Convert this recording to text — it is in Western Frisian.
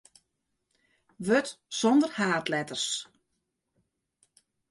Wurd sonder haadletters.